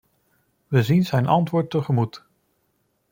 We zien zijn antwoord tegemoet.